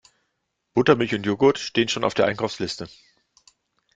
Buttermilch und Jogurt stehen schon auf der Einkaufsliste.